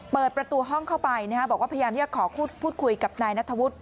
เปิดประตูห้องเข้าไปบอกว่าพยายามที่จะขอพูดคุยกับนายนัทธวุฒิ